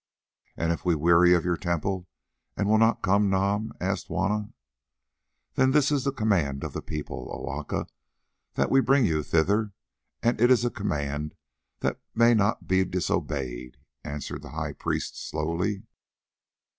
"And if we weary of your temple and will not come, Nam?" asked Juanna. "Then this is the command of the people, O Aca: that we bring you thither, and it is a command that may not be disobeyed," answered the high priest slowly.